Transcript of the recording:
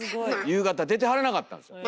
夕方出てはらなかったんですよ。